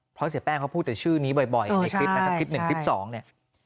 เพราะเสียแป้งเขาพูดชื่อนี้บ่อยในอีกคลิป๑๒เนี่ย